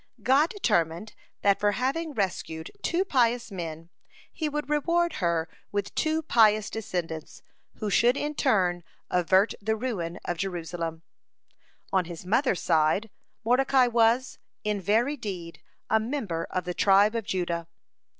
God determined, that for having rescued two pious men He would reward her with two pious descendants, who should in turn avert the ruin of Israel. (58) On his mother's side, Mordecai was, in very deed, a member of the tribe of Judah.